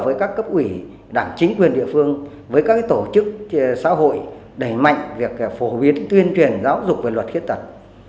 với các cấp ủy đảng chính quyền địa phương với các tổ chức xã hội đẩy mạnh việc phổ biến tuyên truyền giáo dục về luật khuyết tật